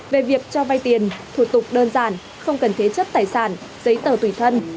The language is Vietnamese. về việc cho vay tiền thủ tục đơn giản không cần thế chất tài sản giấy tờ tùy thân